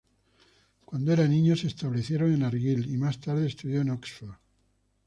Cuando era niño se establecieron en Argyll y más tarde estudió en Oxford.